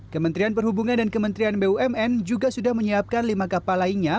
kementerian perhubungan dan kementerian bumn juga sudah menyiapkan lima kapal lainnya